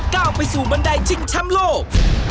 ก้าวไปสู่บันไดชิงแชมป์โลก